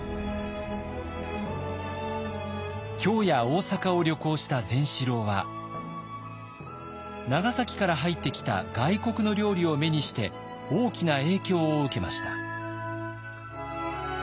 京や大坂を旅行した善四郎は長崎から入ってきた外国の料理を目にして大きな影響を受けました。